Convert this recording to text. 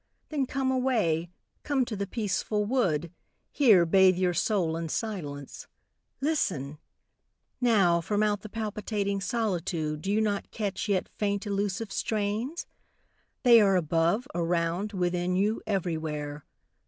Then come away, come to the peaceful wood, Here bathe your soul in silence. Listen! Now, From out the palpitating solitude Do you not catch, yet faint, elusive strains? They are above, around, within you, everywhere.